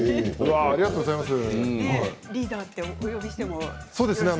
ありがとうございます。